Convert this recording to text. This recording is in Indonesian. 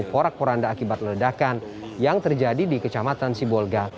porak poranda akibat ledakan yang terjadi di kecamatan sibolga